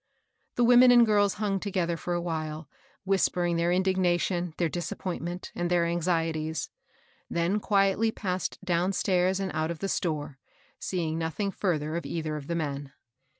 The women and girls hung together for a while, whispering their indignation, their disap pointment, and their anxieties ; then quietly passed downstairs and out of the store, seeing nothing fiirther of either of the men.